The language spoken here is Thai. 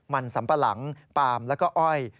มันสัมปะหลังปาล์มแล้วก็อ้อย